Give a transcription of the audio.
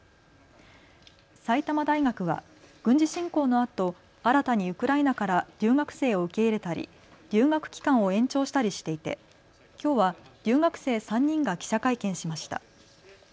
埼玉大学は軍事侵攻のあと新たにウクライナから留学生を受け入れたり、留学期間を延長したりしていて、きょうは留学生３人が記者会見しました。